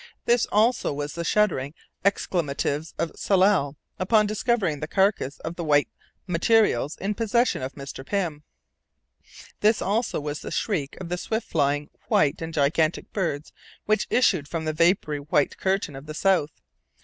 This also was the shuddering exclamatives of Tsalal upon discovering the carcass of the _white_materials in possession of Mr. Pym. This also was the shriek of the swift flying, _white, _and gigantic birds which issued from the vapory _white_curtain of the South.